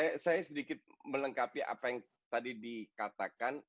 gini gini saya sedikit melengkapi apa yang tadi dikatakan